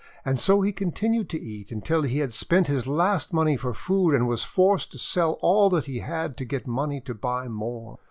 And so he continued to eat until he had spent his last money for food and was forced to sell all that he had to get money to buy more.